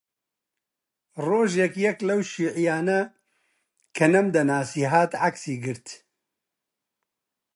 ڕۆژێک یەک لەو شیووعییانە کە نەمدەناسی هات عەکسی گرت